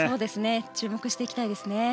注目していきたいですね。